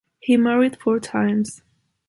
He married four times.